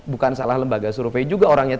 bukan salah lembaga survei juga orang yang